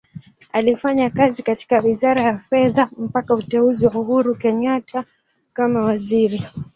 Alifanya kazi katika Wizara ya Fedha mpaka uteuzi wa Uhuru Kenyatta kama Waziri.